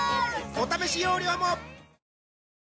お試し容量もあら！